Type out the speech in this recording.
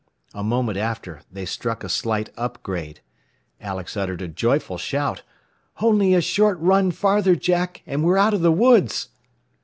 A moment after, they struck a slight up grade. Alex uttered a joyful shout. "Only a short run farther, Jack, and we're out of the woods!"